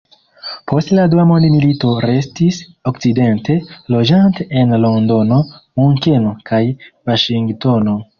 Post la dua mondmilito restis Okcidente, loĝante en Londono, Munkeno kaj Vaŝingtono.